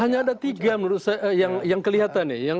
hanya ada tiga menurut saya yang kelihatan nih